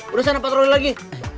berusaha ngepatrol lagi